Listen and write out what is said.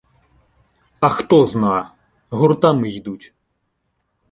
— А хто зна! Гуртами йдуть.